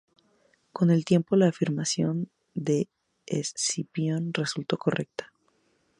Con el tiempo, la afirmación de Escipión resultó correcta.